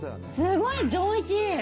すごい上品。